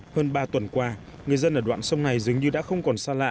hơn ba tuần qua người dân ở đoạn sông này dính như đã không còn xa lạ